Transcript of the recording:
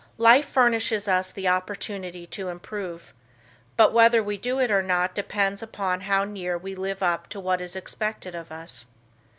Life furnishes us the opportunity to improve. But whether we do it or not depends upon how near we live up to what is expected of us.